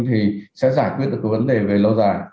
thì sẽ giải quyết được cái vấn đề về lâu dài